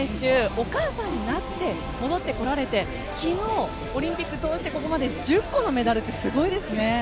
お母さんになって戻ってこられて昨日、オリンピック通してここまで１０個のメダルってすごいですね。